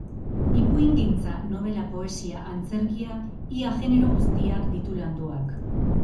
Ipuingintza, nobela, poesia, antzerkia, ia genero guztiak ditu landuak.